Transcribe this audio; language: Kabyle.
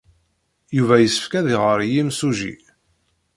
Yuba yessefk ad iɣer i yimsujji.